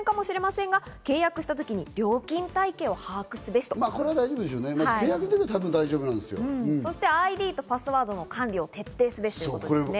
まずは当然かもしれませんが、契約時に料金体系を把握すべし、そしてＩＤとパスワードの管理を徹底すべしですね。